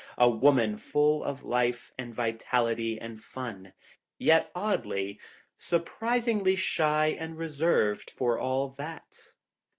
A woman full of life and vitality and fun — yet oddly, surprisingly shy and reserved for all that.